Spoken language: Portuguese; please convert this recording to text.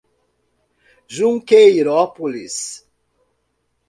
Junqueirópolis